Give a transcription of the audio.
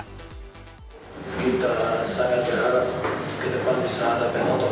kita sangat berharap ke depan bisa ada penonton